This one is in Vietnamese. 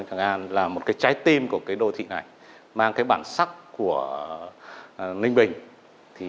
chẳng hạn là một trái tim của đô thị này mang bản sắc của ninh bình